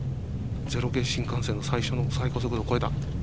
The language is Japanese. ０系新幹線の最初の最高速度を超えた。